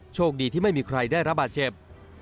โชคดีที่ไม่มีใครได้รับบาดเจ็บ